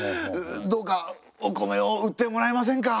どうかお米を売ってもらえませんか？